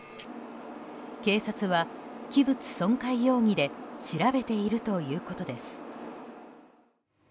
警察は器物損壊容疑で調べているということです。